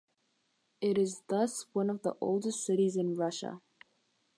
It is thus one of the oldest cities in Russia.